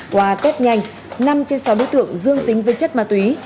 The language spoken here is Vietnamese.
qua test nhanh năm trên sáu đối tượng dương tính với chất ma túy